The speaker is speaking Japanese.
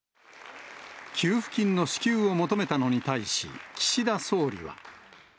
給付金の支給を求めたのに対し、岸田総理は。